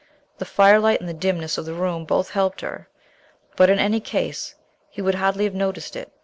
The firelight and the dimness of the room both helped her. But in any case he would hardly have noticed it.